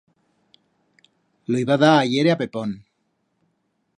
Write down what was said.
Lo i va dar ahiere a Pepón.